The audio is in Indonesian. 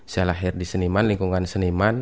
saya lahir di seniman lingkungan seniman